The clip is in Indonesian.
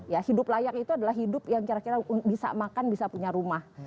ya hidup layak itu adalah hidup yang kira kira bisa makan bisa punya rumah